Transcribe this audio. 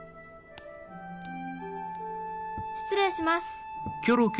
失礼します。